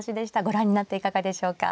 ご覧になっていかがでしょうか。